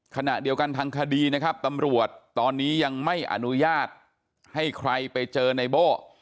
ขณะเดียวกันทางคดีนะครับตำรวจตอนนี้ยังไม่อนุญาตให้ใครไปเจอในโบ้